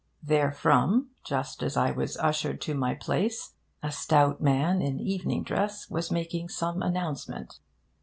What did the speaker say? Therefrom, just as I was ushered to my place, a stout man in evening dress was making some announcement.